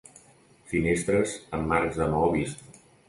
Finestres amb marcs de maó vist.